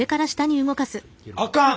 あかん！